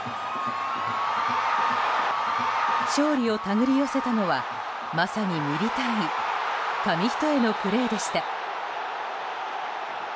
勝利を手繰り寄せたのはまさにミリ単位紙一重のプレーでした。